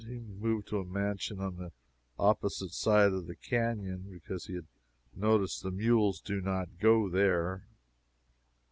He moved to a mansion on the opposite side of the canon, because he had noticed the mules did not go there.